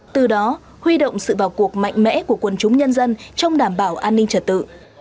từ đó huy động sự vào cuộc mạnh mẽ của quân chúng nhân dân trong đảm bảo an ninh trật tự